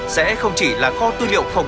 sẽ không chỉ là kho tuyên liệu phổ biến